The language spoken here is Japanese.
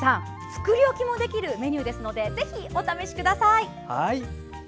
作り置きもできるメニューなのでぜひお試しください。